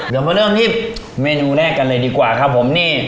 เดี๋ยวมาเริ่มที่เมนูแรกกันเลยดีกว่าครับผมนี่